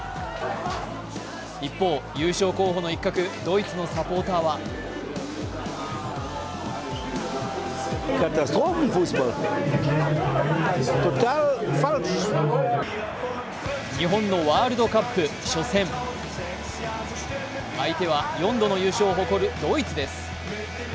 一方、優勝候補の一角、ドイツのサポーターは日本のワールドカップ、初戦相手は４度の優勝を誇るドイツです。